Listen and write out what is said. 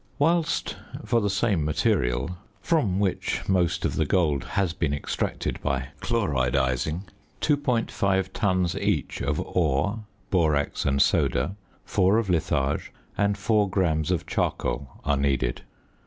Whilst, for the same material, from which most of the gold has been extracted by "chloridising," 2.5 tons each of ore, borax, and soda, 4 of litharge, and 4 grams of charcoal are needed.